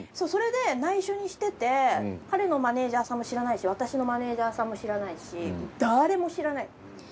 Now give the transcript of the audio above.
それで内緒にしてて彼のマネージャーさんも知らないし私のマネージャーさんも知らないし誰も知らない。